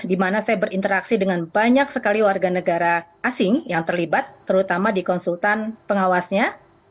di mana saya berinteraksi dengan banyak sekali warga negara asing yang terlibat terutama di konsultan pengawasnya